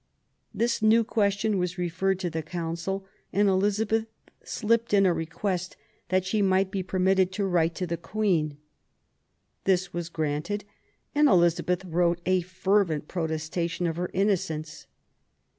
This new question was referred to the Council, and Elizabeth slipped in a request that she might be permitted to write to the Queen. This was granted, and Elizabeth wrote a fervent protestation of her innocence.